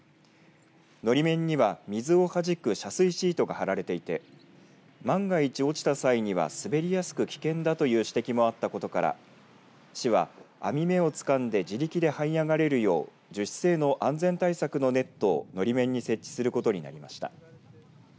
のり面には、水をはじく遮水シートが張られていて万が一落ちた際には滑りやすく危険だという指摘もあったことから市は、編み目をつかんで自力ではい上がれるよう樹脂製の安全対策のネットをのり面に設置することになりました。